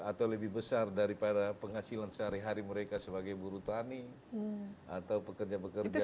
atau lebih besar daripada penghasilan sehari hari mereka sebagai buru tani atau pekerja pekerja